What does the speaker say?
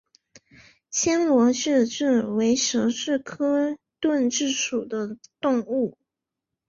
暹罗盾蛭为舌蛭科盾蛭属的动物。